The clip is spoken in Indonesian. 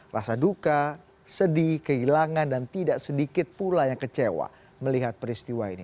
rasa duka sedih kehilangan dan tidak sedikit pula yang kecewa melihat peristiwa ini